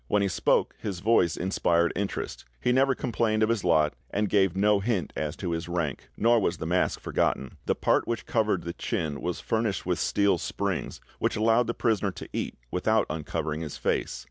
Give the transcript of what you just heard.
When he spoke his voice inspired interest; he never complained of his lot, and gave no hint as to his rank." Nor was the mask forgotten: "The part which covered the chin was furnished with steel springs, which allowed the prisoner to eat without uncovering his face."